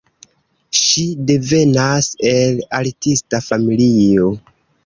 Ŝi devenas el artista familio.